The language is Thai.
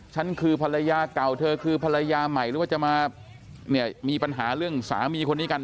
ฉันคือภรรยาเก่าเธอคือภรรยาใหม่หรือว่าจะมาเนี่ยมีปัญหาเรื่องสามีคนนี้กัน